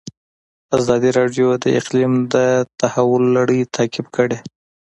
ازادي راډیو د اقلیم د تحول لړۍ تعقیب کړې.